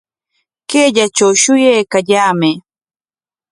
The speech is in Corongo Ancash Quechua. Kayllatraw shuyaykallaamay